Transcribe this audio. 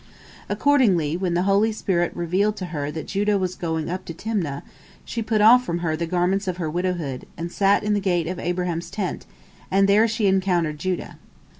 Accordingly, when the holy spirit revealed to her that Judah was going up to Timnah, she put off from her the garments of her widowhood, and sat in the gate of Abraham's tent, and there she encountered Judah.